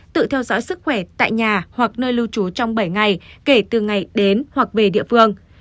tự theo dõi sức khỏe tại nhà hoặc nơi lưu trú trong bảy ngày kể từ ngày đến hoặc về địa phương